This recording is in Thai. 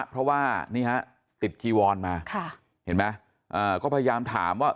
เพราะว่านี่ฮะติดจีวอนมาเห็นไหมก็พยายามถามว่า